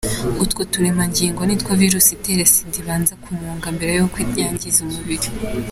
Utwo turemangingo ni two virusi itera Sida ibanza kumunga mbere y’uko yangiza umubiri.